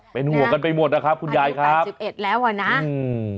เป็นห่วงกันไปหมดนะครับคุณยายครับอาทิตย์๘๑แล้วน่ะค่ะอืม